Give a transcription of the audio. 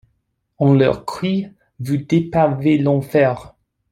On leur crie: Vous dépavez l’enfer!